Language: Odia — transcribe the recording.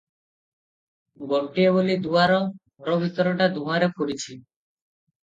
ଗୋଟିଏ ବୋଲି ଦୁଆର, ଘର ଭିତରଟା ଧୂଆଁରେ ପୁରିଛି ।